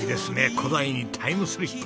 古代にタイムスリップ！